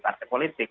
di dalam politik